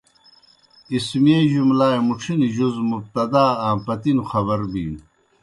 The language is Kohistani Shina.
اسمِیہ جُملائے مُڇِھنوْ جُز مُبتدا آں پتِنوْ خبر بِینوْ۔